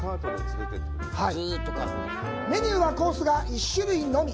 メニューは、コースが１種類のみ。